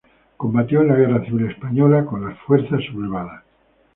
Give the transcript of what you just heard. Combatió en la Guerra Civil Española con las fuerzas sublevadas.